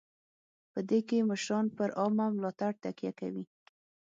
په دې کې مشران پر عامه ملاتړ تکیه کوي.